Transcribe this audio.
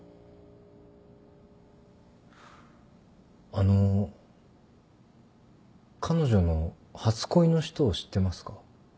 あの彼女の初恋の人を知ってますか。